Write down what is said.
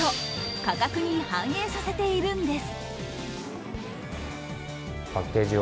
価格に反映させているんです。